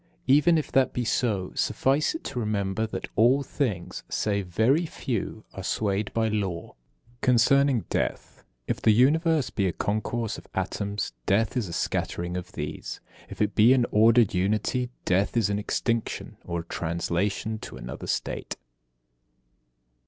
Even if that be so, suffice it to remember that all things, save very few, are swayed by law. 32. Concerning death: If the Universe be a concourse of atoms, death is a scattering of these; if it be an ordered unity, death is an extinction or a translation to another state.